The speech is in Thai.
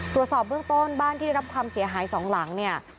ตรวจสอบเบื้องต้นบ้านที่ได้รับความเสียหายสองหลังเนี่ย